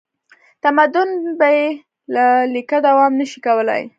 تمدن بې له لیکه دوام نه شي کولی.